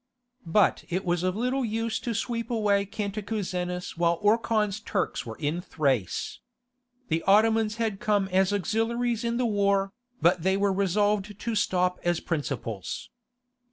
But it was of little use to sweep away Cantacuzenus while Orkhan's Turks were in Thrace. The Ottomans had come as auxiliaries in the war, but they were resolved to stop as principals.